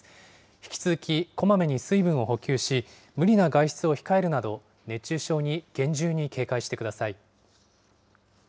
引き続き、こまめに水分を補給し、無理な外出を控えるなど、熱中症に厳重に警戒してください。